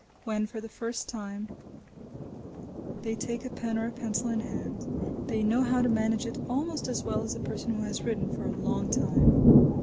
When for the first time they take a pen or a pencil in hand, they know how to manage it almost as well as a person who has written for a long time.